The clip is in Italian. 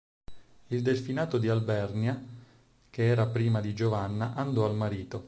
Il delfinato di Alvernia, che era prima di Giovanna, andò al marito.